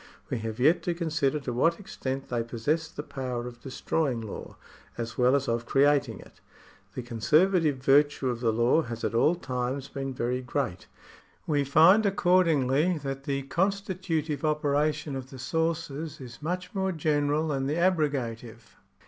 We have yet to consider to what extent they possess the power of destroying law, as well as of creating it. The conservative virtue of the law has at all times been very great. We find, accordingly, that the constitutive operation of the sources is much more general than the abrogative.